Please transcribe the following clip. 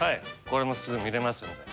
これもすぐ見れますんで。